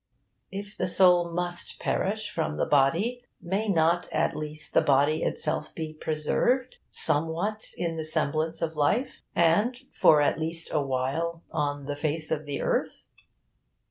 If the soul must perish from the body, may not at least the body itself be preserved, somewhat in the semblance of life, and, for at least a while, on the face of the earth?